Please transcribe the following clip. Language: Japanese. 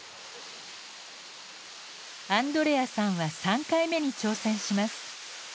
アンドレアさんは３回目に挑戦します。